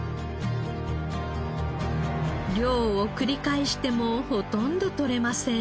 漁を繰り返してもほとんど取れません。